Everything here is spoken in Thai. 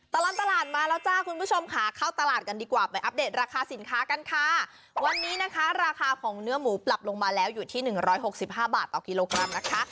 ตลอดตลาดมาแล้วจ้าคุณผู้ชมค่ะเข้าตลาดกันดีกว่าไปอัปเดตราคาสินค้ากันค่ะวันนี้นะคะราคาของเนื้อหมูปรับลงมาแล้วอยู่ที่หนึ่งร้อยหกสิบห้าบาทต่อกิโลกรัมนะคะ